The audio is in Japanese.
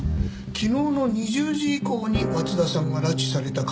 昨日の２０時以降に松田さんは拉致された可能性が高い。